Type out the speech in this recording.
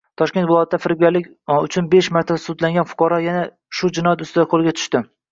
Toshkent viloyatida firibgarlik uchunbeshmarta sudlangan fuqaro yana shu jinoyat ustida qo‘lga tushdi